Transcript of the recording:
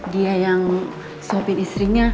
dia yang suapin istrinya